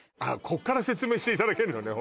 こっから説明していただけるのね